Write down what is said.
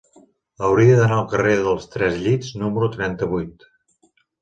Hauria d'anar al carrer dels Tres Llits número trenta-vuit.